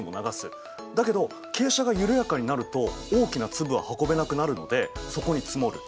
だけど傾斜が緩やかになると大きな粒は運べなくなるのでそこに積もる。